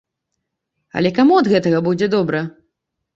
Але каму ад гэтага будзе добра?